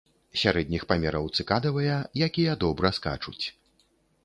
Сярэдніх памераў цыкадавыя, якія добра скачуць.